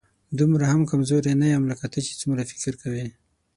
دومره هم کمزوری نه یم، لکه ته چې څومره فکر کوې